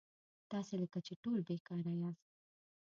تاسي لکه چې ټول بېکاره یاست.